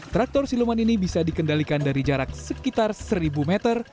traktor siluman ini bisa dikendalikan dari jarak sekitar seribu meter